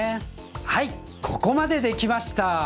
はいここまでできました。